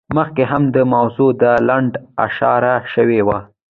مخکې هم دې موضوع ته لنډه اشاره شوې وه.